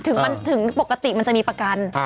ถึงปกติมันจะมีประกัน